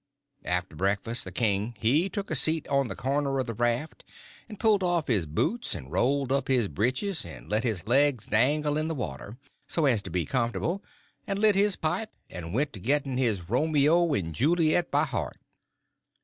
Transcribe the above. After breakfast the king he took a seat on the corner of the raft, and pulled off his boots and rolled up his britches, and let his legs dangle in the water, so as to be comfortable, and lit his pipe, and went to getting his Romeo and Juliet by heart.